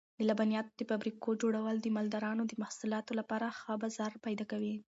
د لبنیاتو د فابریکو جوړول د مالدارانو د محصولاتو لپاره ښه بازار پیدا کوي.